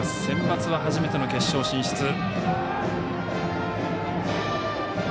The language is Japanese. センバツは初めての決勝進出。